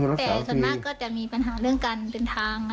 แต่ส่วนมากก็จะมีปัญหาเรื่องการเดินทาง